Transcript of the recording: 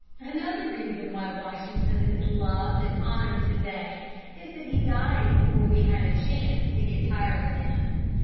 Another reason why Washington is loved and honored to day is that he died before we had a chance to get tired of him.